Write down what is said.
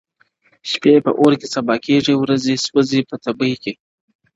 شپې په اور کي سبا کیږي ورځي سوځي په تبۍ کي!